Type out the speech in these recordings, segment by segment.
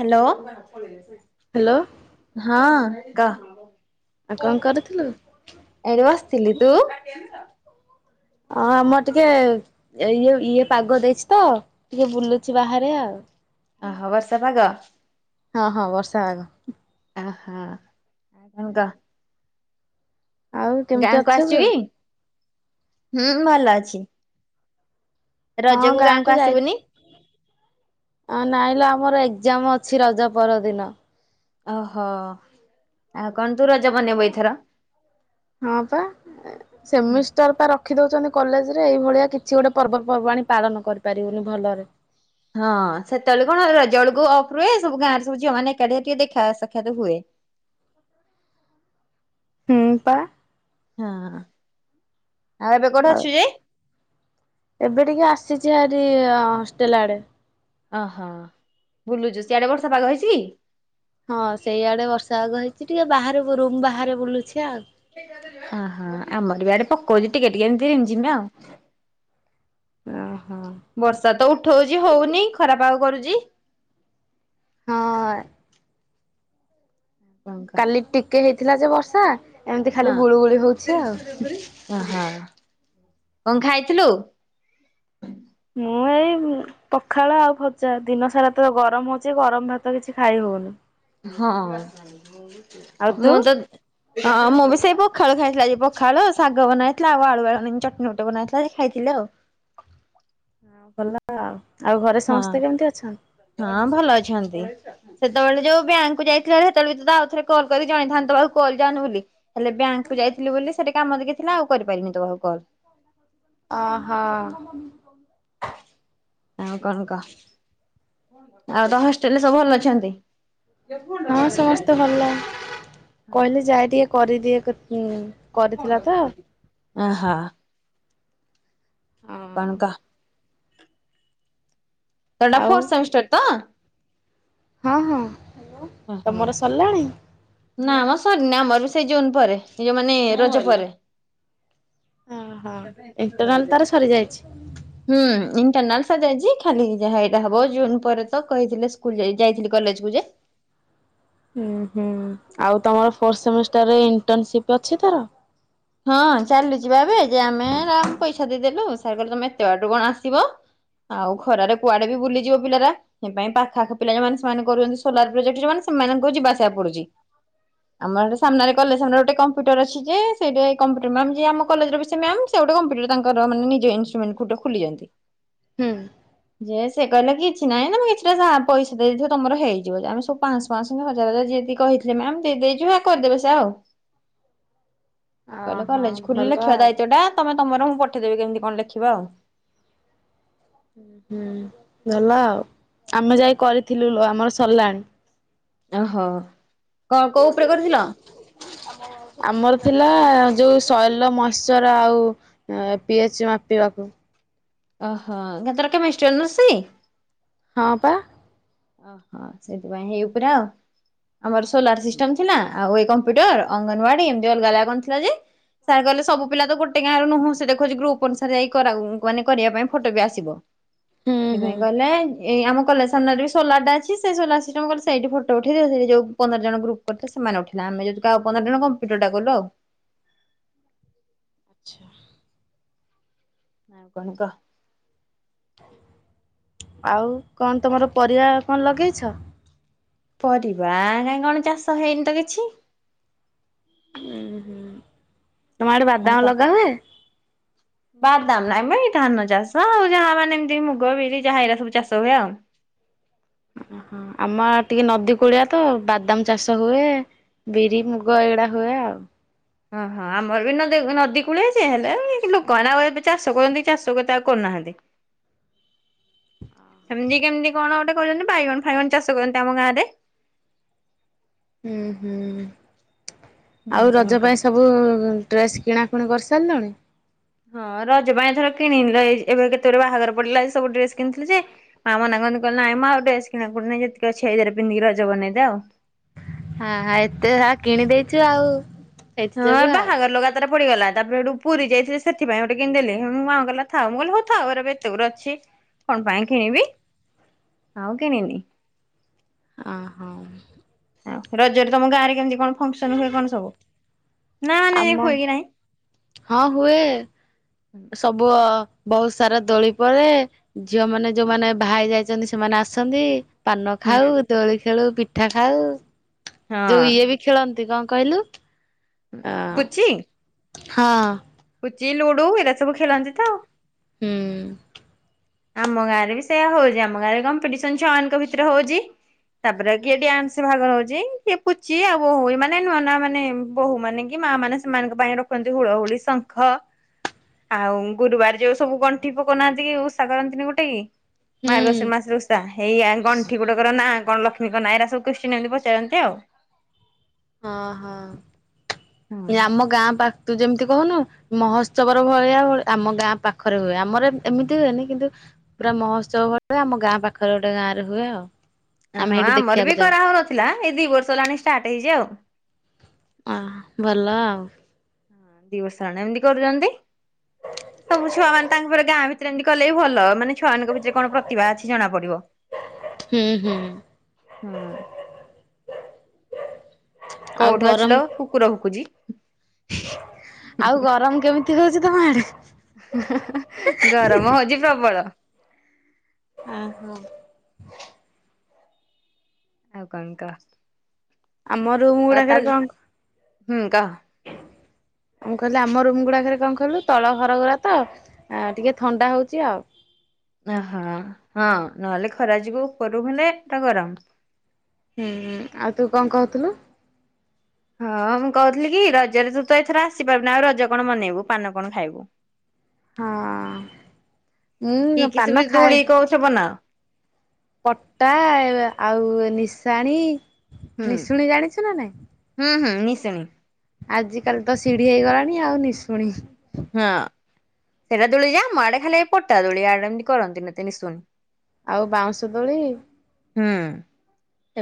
Hello hello ହଁ କା ଆଉ କଣ କରୁଥିଲୁ? ଏଇଠି ବସିଥିଲି ତୁ ହଁ ଆମର ଟିକେ ଇଏ ଇଏ ପାଗ ଦେଇଛି ତ ଟିକେ ବୁଲୁଛି ବାହାରେ ଆଉ ଓହୋ ବର୍ଷ ବାାଗ ହଁ ହଁ ବର୍ଷା ଆାଗ ଅ ହଁ ଆଙ୍କ ଆଉ କେମିତି ଗାଁକୁ ଅଛୁ ତୁ? ଆସଚିବି ହୁଁ ଭଲ ଅଛି ହଁ ରଜକୁ ଗାଁ ଗାଁକୁ କ ଯାଇ ଆସିବୁନି? ନାଇଁଲେ ଆମର ଏକ୍ଜାମ ଅଛି ରଜ ପରଦିନ ଓହୋ ଆଉ କଣ ତୁ ରଜ ବନେଇବୁ ଏଇଥର ହଁ ପା ସେମିଷ୍ଟର ପା ରଖି ଦଉଛନ୍ତି କଲେଜ ରେ ଏଇଭଳିଆ କିଛି ଗୋଟେ ପର୍ବପର୍ବାଣିୀ ପାଳନ କରିପାରିବୁନି ଭଲରେ ହଁ ସେତେବେଳେ କଣ ରଜଳକୁ ଅଫ ରୁହେ ସବୁ ଗାଁରେ ସବୁ ଝିଅମାନେ ଏକାଠିଆ ଟିକେ ଦେଖା ସାକ୍ଷାତ ହୁଏ ହୁଁ ପା। ହଁ ଆଉ ଏବେ କୋଠେ ଅଛୁ ଯେ ଏବେ ଟିକେ ଆସିଛି ଆରି ହଷ୍ଟେଲ ଆଡ଼େ। ଓହୋ ବୁଲୁଛୁ ସିଆଡେ ବର୍ଷ ପାଗ ହେଇଚି? ହଁ ସେଇଆଡେ ବର୍ଷା ଆଗ ହେଇଚି ଟିକେ ବାହ ରୁମ୍ ବାହାରେ ବୁଲୁଚି ଆଉ। ଓହୋ ଆମର ବି ଆଡେ ପକଉଚି ଟିକେ ଟିକେ ଏମିତି ରି ଝିମ୍ ଆଉ ଓ ହୋ। ବର୍ଷା ତ ଉଠଉଚି ହୋଉନି ଖରା ପାଗ କରୁଚି। ହଁ। କଣ କହ କାଲି ଟିକେ ହେଇଥିଲା ଯେ ବର୍ଷା ଏମିତି ଖାଲି ହଁ। ଗୁଳୁ ଗୁଳି ହୋଉଚି ଆଉ। ଓହୋ କଣ ଖାଇଚୁ? ମୁଁ ଏଇ ପଖାଳ ଆଉ ଖଜା ଦିନ ସାରା ତ ଗରମ ହୋଉଚି ଗରମ ଭାତ କିଛି ଖାଇ ହୋଉନି। ଆଉ ହଁ ତୁ ମୁଁ ତ। ହଁ ହଁ ମୁଁ ବି ସେଇ ପଖାଳ ଖାଇଥିଲା ଆ ପଖାଳ ଶାଗ ବନାହେଇଥିଲା ଆଉ ଆଳୁ ଆଳୁ ଚଟଣି ଫଟଣି ବନାହେଇଥିଲା ଖାଇଥିଲି ଆଉ। ହଁ ଭଲ ଆଉ ଆଉ ଘରେ ସମସ୍ତେ କେମିତି ଅଛନ୍ତି? ହଁ ଭଲ ଅଛନ୍ତି? ସେତେବେଳେ ଯୋଉ ବ୍ୟାଙ୍କକୁୁ ଯାଇଥିଲାଳେ ସେତେବେଳେ ତ ତା ଆଉଥରେ କଲ କରିିକ ଜଣଥାନ୍ତତା ବାହାକୁ କଲ ଯାଉନି ବୋଲି ହେଲେ ବ୍ୟାଙ୍କକୁୁ ଯାଇଥିଲୁ ବୋଲି ସେଠି କାମ ଦେକି ଥିଲା ଆଉ କରିପାରିନି ତୋ ପାଖୁ କଲ। ଓ ହୋ। ହଁ କଣ କ ଆଉ ତ ହଷ୍ଟେଲ ରେ ସବୁ ଭଲ ଅଛନ୍ତି? ହଁ ସମସ୍ତେ ଭଲ କହିଲେ ଯାଏ ଟିକେ କରିଦିଏ [unintelligible] ତ। ଅହ। କ ତୋର ଏଟା ଆଉ ଫୋର୍ଥ ସେମିଷ୍ଟର ତ? ହଁ ହଁ ହ୍ୟାଲୋ ଓହୋ। ତମର ସାରିଲାଣି? ନା ଆମ ସରିନି ଆମର ବି ସେଇ ଜୁନ ପରେ ଯ ଯଉ ମାନେ ରଜ ପରେ। ଓହୋ ଇଣ୍ଟରନାଲ ତାର ସରି ଯାଇଚି। ହୁଁ ଇଣ୍ଟରନାଲ ସଜାଇଚି ଖାଲି ଯାହା ଏଇଟା ହବ ଜୁନ ପରେ ତ କହିଥିଲେ। ସେଇ ଯାଇଚି କଲେଜକୁୁ ଯେ। ହଁ ହୁଁ ଆଉ ତମର ଫୋର୍ଥ ସେମିଷ୍ଟାରରେ ଇଣ୍ଟରନସିପ ଅଛି ତାର? ହଁ ଚାଲୁଚ ଭାବେ ଯେ ଆମେ ଆ ପଇସା ଦେଇଦେଲୁ ସାର କ ତମେ ଏତେ ବାଟୁ କଣ ଆସି ଆଉ ଖରାରେ କୁଆଡେ ବି ବୁଲିଯିବ ପିଲା ଟା? ସେ ପାଇଁ ପାଖ ଆଖ ପିଲା ଯୋଉମାନେ ସେମାନେ କରୁଛନ୍ତି ସୋଲାର ପ୍ରୋଜେକ୍ଟ ଯୋଉମାନେ ସେମାନଙ୍କୁ ଯିବା ଆସିବା ପଡୁଚି। ଆମର ଗୋଟ ସାମ୍ନାରେ କଲେଜ ଆମର ଗୋଟେ କୋମ୍ପୁଟର ଅଛି ଯେ। ସେଇଠେ କୋମ୍ପୁଟର ମ୍ୟାମ୍ କଲେଜର ବି ସେ ମ୍ୟମା ସେ ଗଟ କମ୍ପୁଟର ତାଙ୍କର ମାନ ନିଜ ଇନ୍ଷଟ୍ୟୁଟ ଗୋଟେ ଖୋଲିଛନ୍ତି। ହୁଁ। ଯେ ସେ କହିଲେ କିଛି ନାଇଁ ତମେ କିଛିଟା ପଇସ ଦେଇଥିବ ତମର ହେଇଯିବ, ଯେ ଆମେ ସବୁ ପାଁସ ପାଁସ ହଜାର ହଜାର ଯିିଏ ଯେତିକି କହିଥିଲେ ମ୍ୟାମ ଦେଇଦେଇଚୁ ହେ କରିଦେବେ ସେ ଆଉ। କହିଲେ ଓହୋ କଲେଜ ଭଲ ଖୁଲିଲ ଲେଖ ଆଉ ଦାୟିତ୍ୱ ଟା ତମେ ତମର ମୁଁ ପଠେଇଦବି କେମିତି କଣ ଲେଖିବା ଆଉ। ହୁଁ ଭଲ ଆଉ ଆମେ ଯାଇ କରିଥିଲୁ ଆମର ସଲାଣି। ଓହୋ କଣ କୋଉ ଉପରେ କରିଥିଲ। ଆମର ଥିଲା ଯୋଉ ଶୈଲ ମସ୍ଚର ଆଉ ପି [unintelligible] ଓହୋ କାଇଁ ତର କେମେଷ୍ଟ୍ରି ହୋନର୍ସ କି। ହଁ ପା ଓହୋ ସେଇଥିପାଇଁ ହେଇ ପୁରା ଆଉ ଆମର ସୋଲାର ସିଷ୍ଟମ ଥିଲା ଆଉ ଏଇ କମ୍ପ୍ୟୁଟର ଅଙ୍ଗନୱଡି ଏମିତି ଅଲଗା ଅଲଗା ଥିଲା ଯେ। ସାର୍ କହିଲେ ସବୁ ପିଲା ତ ଗୋଟେ ଗାଁ ର ନୁହଁ ସେ ଦେଖୁଛି ଗ୍ରୁପ୍ ଅନୁସାରେ ଯାଇ ମାନେ କରିବା ପାଇଁ ଫଟୋ ବି ଆସିବ। ହୁଁ ହୁଁ ସେଥିପାଇ ଗଲେ ଏଇ ଆମ କଲେ ସାମ୍ନାରେ ବି ସୋଲାରଟା ଅଛି ସେ ସୋଲାର୍ ସିଷ୍ଟମ୍ କଲେ ସେଇଠି ଫୋଟ ଉଠେଇଦିଅ ସେ ଯୋଉ ପନ୍ଦର ଜଣ ଗୁପ୍ କରିଥିଲେ ସେମାନେ ଉଠେଇଲେ ଆମର ଯେତିକି ପନ୍ଦର ଜଣ ଭିଡିଓ ଟା କଲୁ ଆଉ। ଆଚ୍ଛା। ଆଉ କଣ କ? ଆଉ କଣ ତମର ପରିବା କଣ ଲଗେଇଛ? ପରିବା କାହିଁ କଣ ଚାଷ ହେଇନି ତ କିଛି ଉଁ ହୁଁ ତମ ଆଡେ ଆଉ ବାଦାମ ତ ଲଗାହୁଏ? ବାଦାମ ନାଇଁ ମ ଏଇ ଧାନ ଚାଷ ଆଉ ଯାହା ମାନେ ଏମିତି ମୁଗ, ବିରି ଯାହାଏଇରା ସବୁ ଚାଷ ହୁଏ ଆଉ। ଓହୋ ଆମ ଟିକେ ନଦୀ କୁଳିଆ ତ ବାଦାମ ଚାଷ ହୁଏ। ବିରି ମୁଗ ଏଇଗୁଡା ହୁଏ ଆଉ। ଓହୋ ଆମର ବି ନଦୀ ନଦୀ କୂଳେ ଯେ ହେଲେ ଲୋକ ଆଉ ଏବେ ଚାଷ କରନ୍ତି ଚାଷ କେତେ ଆଉ କରୁନାହାନ୍ତି। ହେମିତି କେମିତି କଣ ଗୋଟେ କହୁଚନ୍ତି ବାଇଗଣ ଫାଇଗଣ ଚାଷ କରନ୍ତି ଆମ ଗାଁ ରେ। ଉଁ ହୁଁ ହଁ ଆଉ କଣ ରଜ କହ ପାଇଁ ସବୁ ଡ୍ରେସ୍ କିଣାକୁଣି କରିସାରିଲଣି? ହଁ ରଜ ପାଇଁଏଥର କିଣିନି ଏ ଏବେ କେତେଗୁଡ଼ିଏ ବାହାଘର ପଡିଲା ସବୁ ଡ୍ରେସ କିଣିଥିଲି ଯେ ମାଆ ମନା କରନ୍ତି ନାଇଁ ଆଉ ଡେସ୍ କିଣା କୁଣି ନାହିଁ ଯେତିକି ଅଛି ସେୟାଡେ ପିନ୍ଧି ରଜ ବନେଇଦେ ଆଉ ହଁ ହଁ ଏତେସାରା କିଣି ଦେଇଚୁ ଆଉ। ସେଇଥି ହଁ ଯୋଗୁ ଆଉ। ବାହାଘର ଲଗା ପଡିଗଲା ତାପରେ ପୁରୀ ଯାଇଥିଲେ ସେଥିପାଇଁ ଗୋଟେ କିଣି ଦେଇଥିଲି ମାଁ କହିଲା ଥାଉ ମୁଁ କହିଲି ହଉ ଥାଉ ଏତେ ଗୁଡ଼ାକ ଅଛି। କଣ ପାଇଁ କିଣିବି ଆଉ କିଣିନି। ଆ ହଁ ଆଉ ରଜରେ ତମ ଗାଁ ରେ କେମିତି କଣ ଫଙ୍କସନ୍ ହୁଏ କଣ ସବୁ? ନା ମାନେ ଆମ ହୁଏ କି ନାହିଁ? ହଁ ହୁଏ। ସବୁ ବହୁତ ସାରା ଦୋଳି ପରେ ଝିଅମାନେ ଯୋଉମାନେ ଭା ହେଇ ଯାଇଛନ୍ତି ସେମାନେ ଆସନ୍ତି। ପାନ ହୁଁ ଖାଉ ଦୋଳି ଖେଳୁ ପିଠା ଖାଉ ହଁ ଯୋଉ ଇଏ ବି ଖେଳନ୍ତି କଣ କହିଲୁ? ଆ ପୁଚି। ହଁ। ପୁଚି ଲୁଡୁ ଏଇଟା ସବୁ ଖେଳନ୍ତି ତ ଆଉ। ହୁଁ। ଆମ ଗାଁରେ ବି ସେୟା ହଉଛି ଆମ ଗାଁରେ କମ୍ପିଟିସନ୍ ଛୁଆ ମାନଙ୍କ ଭିତରେ ହଉଚି। ତାପରେ କିଏ ଡ୍ୟାନ୍ସ ଭାଗ ନଉଚି କିଏ ପୁଚି ଆଉ ବୋହୂ ମାନେ ଏମାନେ ନା ମାନେ ବୋହୂ ମାନେ କି ମା ମାନେ ସେମାନଙ୍କ ପାଇଁ ରଖନ୍ତି ହୁଳ ହୁଳି ଶଙ୍ଖ। ଆଉ ଗୁରୁବାର ଯୋଉ ସବୁ ଗଣ୍ଠି ପକଉନାହାନ୍ତି କି ଉ ଓଷା କରନ୍ତିନି ଗୋଟେକି ହୁଁ ମାର୍ଗଶିର ମାସରେ ଉଷା ହେଇଆ ଗଣ୍ଠି ଗୋଟେ କର ନା କଣ ଲୋ ନା ଇରା ସବୁ କୋସଚ୍ଚିନ୍ ଏମିତି ସବୁ ପଚାରନ୍ତି ଆଉ ହଁ ହଁ ହଁ। ଆମ ଗାଁ ପାଖ ତୁ ଯେମିତି କହୁନୁ ମହୋତ୍ସବର ଭଳିଆ ଭଳି ଆମ ଗାଁ ପାଖରେ ହୁଏ ଆମର ଏମିତି ହୁଏନି କିନ୍ତୁ ହୁଁ। ପୁରା ମହୋତ୍ସବ ଭଳିଆ ଆମ ଗାଁ ପାଖରେ ଗୋଟେ ଗାଁ ରେ ହୁଏ ଆଉ। ଓ ଆମେ ହଁ ସେଇଠି ଆମର ଦେଖିବାକୁ ବି ଯାଉ କରାହଉନଥିଲା ଏଇ ଦି ବର୍ଷ ହେଲାଣି ଷ୍ଟାର୍ଟ ହେଇଚି ଆଉ। ଆଁ ଭଲ ଆଉ। ଦି ବର୍ଷ ହେଲା ଏମିତି କରୁଚନ୍ତି। ସବୁ ଛୁଆ ମାନ ତାଙ୍କରେ ଗାଁ ଭିତରେ ଏମିତି କଲେ ହି ଭଲ ମାନେ ଛୁଆଙ୍କ ଭିତରେ କଣ ପ୍ରତିଭ ଅଛି ଜଣା ପଡିବ। ହୁଁ ହୁଁ। ହୁଁ ଆଉ କୋଉଠି ଅଛିଲୋ ଗରମ, କୁକୁର ଭୁକୁଛି। ଆଉ ଗରମ କେମିତି? ତି ହଉଚି ତମ ଆଡେ? ଗରମ ହଉଛି ପ୍ରବଳ। ଓହୋ। ଆଉ କଣ କ? ଆମ ରୁମ ଗୁଡାକରେ କଣ? ହୁଁ କ। [unintelligible] ମୁଁ କହିଲି ଆମ ରୁମ ଗୁଡାକରେ କଣ କହିଲୁ ତଳ ଘରଘରା ତ ଆ ଟିକେ ଥଣ୍ଡା ହଉଛି ଆଉ। ଓହୋ ହଁ ନହେଲେ ଖରା ଯିବୁ କର ହେଲେ ଏଟା ଗରମ। ହୁଁ ହୁଁ, ଆଉ ତୁ କଣ କହୁଥିଲୁ। ହଁ ମୁଁ କହୁଥିଲି କି ରଜରେ ତୁ ତ ଏଥର ଆସିପାରୁନ ଆଉ ରଜ କଣ ମନେଇବୁ ପାନ କଣ ଖାଇବୁ। [unintelligible] ମୁଁ କି କି ପାନ ସବୁ ଖାଏ ଦୂଳି କହୁଛ ବନାଅ? ପଟା ଆଉ ନିଶାଣି, ହୁଁ ନିଶୁଣି ଜାଣିଛୁ ନା ନାଇଁ? ହୁଁ ହୁଁ ନିଶ୍ଚଣି। ଆଜିିକାଲି ତ ସିଢି ହେଇଗଲାଣି ଆଉ ନିଶୁଣି। ହଁ ସେଇଟା ଦୋଳି ଯା ଆଡେ ଖାଲି ପଟା ଦୋଳି ଆଡେ ଏମିତି କରନ୍ତି ଏତେ ନିଶୁନି। ଆଉ ବାଉଁଶ ଦୋଳି। ହୁଁ।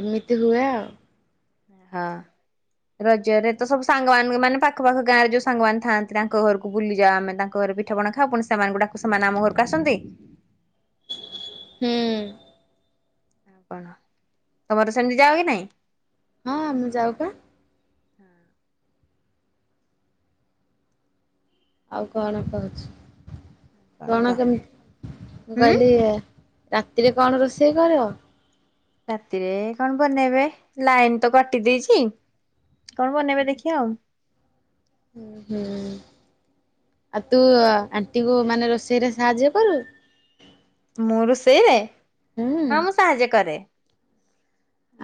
ଏମିତି ହୁଏ ଆଉ। ହଁ। ରଜରେ ତ ସବୁ ସାଙ୍ଗମାନାନ ମାନେ ପାଖପଖ ଗାଁ ରେ ଯୋଉ ସାଙ୍ଗମାନେ ଥାଆନ୍ତି ତାଙ୍କ ଘରକୁ ବୁଲିଯା ଆମେ ତାଙ୍କ ଘରେ ପିଠ ପଣା ଖା ପୁଣି ସେମାନ ଗୁଡାକୁ ସେମାନେ ଆମ ଘରକୁ ଆସନ୍ତି। ହୁଁ। ଆଉ କଣ ତମର ସେମିତି ଯାଅ କି ନାଇଁ? ହଁ ମୁଁ ଯାଉ ପା। ଆଉ କଣ କହୁଛୁ କଣ କେମିତି ମୁଁ ହୁଁ କହିଲି ରାତିରେ କଣ ରୋଷେଇ କର? ରାତିରେ କଣ ବନେଇବେ ଲାଇନ ତ କଟି ଦେଇଛି। କଣ ବନେଇବେ ଦେଖିବା ଆଉ। ହଁ ହୁଁ ଆଉ ତୁ ଆଣ୍ଟି କୁ ମାନେ ରୋଷେଇରେ ସାହାଯ୍ୟ କରୁ? ମୁଁ ରୋଷେଇରେ ହୁଁ ହଁ ମୁଁ ସାହାଯ୍ୟ କରେ।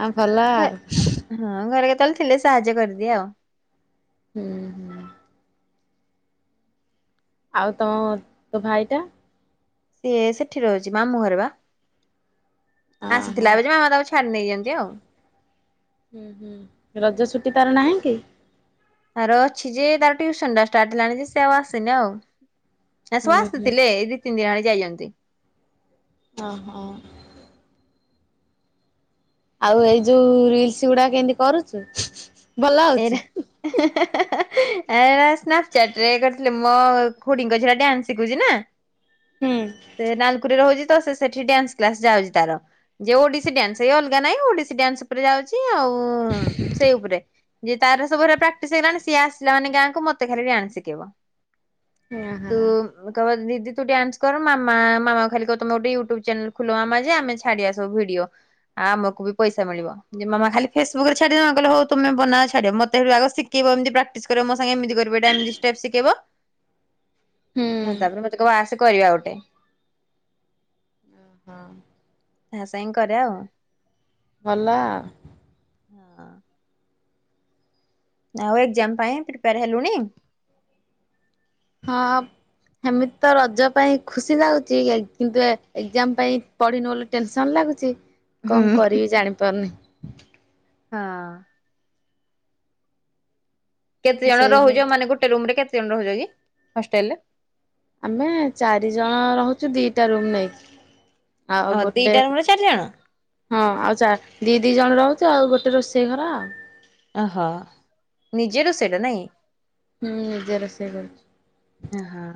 ଆଉ ଭଲ ଘ ଆଉ। ହଁ ଘରେ କେତହେଳେ ଥିଲେ ସାହାଯ୍ୟ କରିଦିଏ ଆଉ। ହୁଁ ହୁଁ। ଆଉ ତମ ତୋ ଭାଇଟା? ସିଏ ସେଠି ର ଅଛି ମାମୁଁ ଘରେ ବା। ଓହୋ ଆସିଥିଲା ଏବେ ଯେ ମାମା ତାକୁ ଛାଡି ନେଇଯନ୍ତି ଆଉ। ହୁଁ ହୁଁ ରଜ ସୁୁଟି ପାରନାହିଁ କି? ଆ ଅଛି ଯେ ତାର ଟ୍ୟୁସନ ଟା ଷ୍ଟାର୍ଟ ହେଲାଣି ଯେ ସେ ଆସେନି ଆଉ। ନା ସବୁ ହୁଁ ହୁଁ ଆସିଥିଲେ ଦି ତିନି ଦିନ ଆଳେ ଯାଇଛନ୍ତି। ହ ହଁ। ଆଉ ଏଇ ଯୋଉ ରିଲସ ଗୁଡା କେମତି କରୁଛୁ? ଭଲ ହଉଛି? ଏ ନା ସ୍ନାପ ଚାଟରେ କରଥିଲେ ମୁ ମୋ ଖୁଡିଙ୍କ ଝିଅ ଟା ଡ୍ୟାନ୍ସ ଶିଖୁଛି ନା। ହୁଁ। ସେ ନାଲକୁରେ ରହୁଛି ତ ସେଠି ଡ୍ୟାନ୍ସ କ୍ଲାସ ଯାଉଛି ତାର। ଯେ ଓଡିଶୀ ଡ୍ୟାନ୍ସ ଏଇ ଅଲଗା ନହିଁ ଓଡିଶୀ ଡ୍ୟାନ୍ସ ଉପରେ ଯାଉଛି ଆଉ ସେଇ ଉପରେ ଯେି ତାର ସବୁରେ ପ୍ରାକ୍ଟିସ ହେଗଲାଣି ସି ଆସିଲା ମାନ ଗାଁକୁ ମତୋଲି ଆଣି ଶିଖିବ ହଁ ତ ହୁଁ [inaudible] କହ ଦିଦି ତୁ ଡ୍ୟାନ୍ସ କର ମା ମାମା ଖାଲି କ ତମ ଗୋେ ୟୁଟ୍ୟୁବ ଚାନେଲ ଖୋଲ ଆ ଯେ ଆମେ ଛାଡଆ ସବୁ ଭିଡିଓ ଆମକୁ ବି ପଇସାଳ ଯେ ମାମା ଖଲି ଫେସବୁକ ରେ ଛାଡିଦେମା କହିଲ ହଉ ତମେ ବନା ମତେଠୁଗ ଶିେଇିବ ଏମ ପ୍ରକ୍ଟିସ କରିବ ମୋ ସାଙ୍ଗ ଏମିବ୍େଇବ ହଁ ତାପରେ ମତେ କ ବାସ କରିବା ଗୋଟେ ହଁ ତା ସାଙ୍ଗ କରେ ଆଉ ଭଲ ହଁ ଆ ଆଉ ଏକ୍ଜାମ ପାଇଁ ପ୍ରିପେୟାର ହେଲୁଣି ହଁ ସେମିତି ତ ରଜ ପାଇଁ ଖୁସି ଲାଗୁଛି କିନ୍ତୁ ଏଗଜାମ ପାଇଁ ପଢ଼ିନୁ ବୋଲି ଟେନସନ୍ ଲାଗୁଛି ହୁଁ କଣ କରିବି ଜାଣିପାରୁନି। ହଁ କେତେ ଜଣ ସେଇଭଳି ରହୁଛ ମାନେ ଗୋଟେ ରୁମ ରେ କେତେ ଜଣ ରହୁଛ କି ହଷ୍ଟେଲ ରେ ଆମେ ଚାରି ଜଣ ରହୁଛୁ ଦିଟା ରୁମ୍ ନେଇକି। ଆଉ ଅ ଗୋଟେ ଦିଟା ରୁମରେ ଚାରି ଜଣ ହଁ ଆଉ ଦି ଦି ଜଣ ରହୁଛୁ ଆଉ ଗୋଟେ ରୋଷେଇ ଘରା ଆଉ। ଓହୋ ନିଜେ ର ସେଇଟା ନାଇଁ ହୁଁ ନିଜର ସେ କର ହଁ ହଁ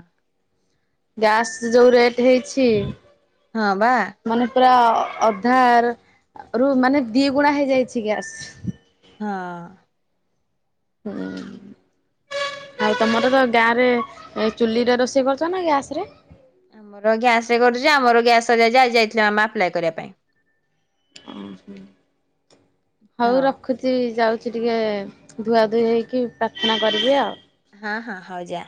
ଗ୍ୟାସ ଯୋଉ ରେଟ୍ ହେଇଛି। ହଁ ବା ମାନେ ପୁରା ଅଧାର ରୁ ମାନେ ଦି ଗୁଣା ହେଇଯାଇଛି ଗ୍ୟାସ୍। ହଁ ହୁଁ ଆଉ ତମର ତ ଗାଁ ରେ ଚୁଲିରେ ରୋଷେଇ କରୁଛ ନା ଗ୍ୟାସ ରେ ଆମର ଗ୍ୟାସ ରେ କରୁଛି ଆମର ଗ୍ୟାସ ଆ ଯାଇଥିଲ ଆମେ ଆପ୍ଲାଏ କରିବା ପାଇଁ। ଓ ହ ହଉ ରଖୁଛି। ଯାଉଛି ଟିକେ ଧୁଆଧୁଇ ହେଇକି ପ୍ରାର୍ଥନା କରିବି ଆଉ। ହଁ ହଁ ହଉଯା